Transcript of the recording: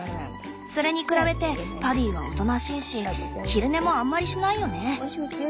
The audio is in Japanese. それに比べてパディはおとなしいし昼寝もあんまりしないよね。